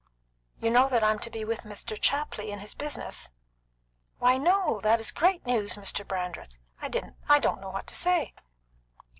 You know that I'm to be with Mr. Chapley in his business?" "Why, no! This is great news, Mr. Brandreth! I don't know what to say."